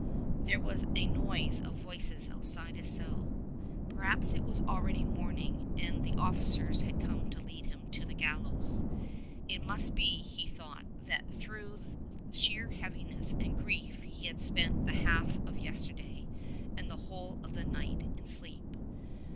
There was a noise of voices outside his cell. Perhaps it was already morning, and the offlcers had come to lead him to the gallows. It must be, he thought, that through sheer heaviness and grief he had spent the half of yesterday, and the whole of the night in sleep.